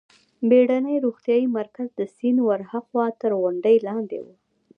بېړنی روغتیايي مرکز د سیند ورهاخوا تر غونډۍ لاندې و.